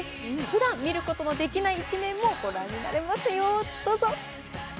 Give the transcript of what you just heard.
ふだん見ることのできない一面も御覧になれますよ、どうぞ！